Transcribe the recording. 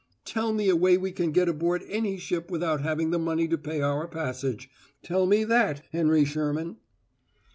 "Tell me a way we can get aboard any ship without having the money to pay our passage. Tell me that, Henry Sherman!"